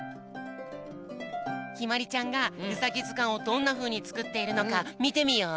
ひまりちゃんがウサギずかんをどんなふうにつくっているのかみてみよう。